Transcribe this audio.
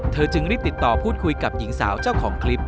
จึงรีบติดต่อพูดคุยกับหญิงสาวเจ้าของคลิป